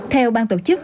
theo ban tổ chức